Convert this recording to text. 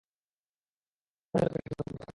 আমাকে এখনই লোকেশন পাঠাও।